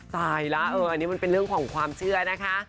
ตายและนี่มันเป็นเรื่องฟังความเชื่อ